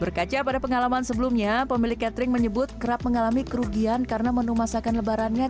berkaca pada pengalaman sebelumnya pemilik catering menyebut kerap mengalami kerugian karena menu masakan lebarannya